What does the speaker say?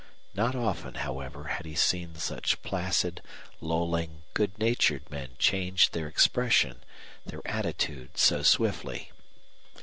Not often, however, had he seen such placid, lolling, good natured men change their expression, their attitude so swiftly.